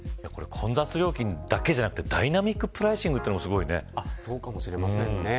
混雑料金だけじゃなくてダイナミックプライシングそうかもしれませんね。